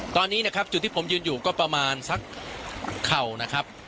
ตอนนี้นะครับจุดที่ผมยืนอยู่ก็ประมาณสักเข่านะครับ